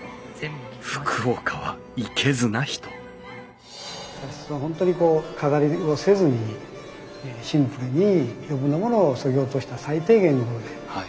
福岡はいけずな人茶室は本当にこう飾りをせずにシンプルに余分なものをそぎ落とした最低限なもので。